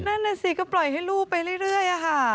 นั่นน่ะสิก็ปล่อยให้ลูกไปเรื่อยค่ะ